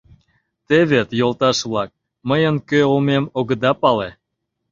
Те вет, йолташ-влак, мыйын кӧ улмем огыда пале.